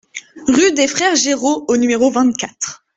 Rue des Frères Géraud au numéro vingt-quatre